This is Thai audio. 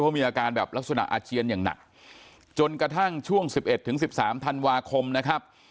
มีอาการแบบลักษณะอาเจียนอย่างหนักจนกระทั่งช่วง๑๑ถึง๑๓ธันวาคมนะครับ